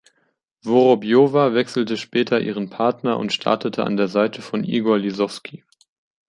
Worobjowa wechselte später ihren Partner und startete an der Seite von Igor Lissowski.